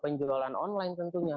penjualan online tentunya